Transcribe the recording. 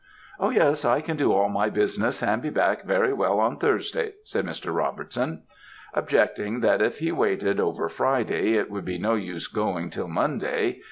"'Oh, yes, I can do all my business, and be back very well on Thursday,' said Mr. Robertson; objecting that if he waited over Friday it would be no use going till Monday.